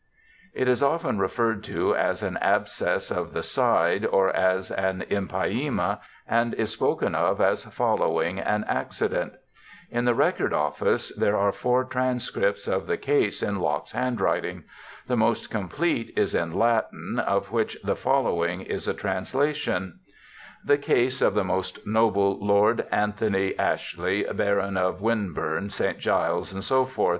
It is often referred to as an abscess of the side or as an empyema and is spoken of as following an accident. In the Record Office there are four transcripts of the case in Locke's handwriting. The most complete is in Latin, of which the following is a translation :—* The case of the most Noble Lord Anthony Ashley, Baron of Winburne, St. Giles, <Src.